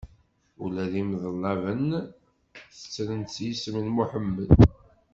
Ula d imeḍlaben tettren s yisem n Muḥemmed.